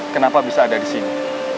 kenapa bisa ada disini